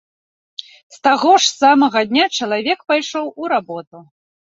З таго ж самага дня чалавек пайшоў у работу.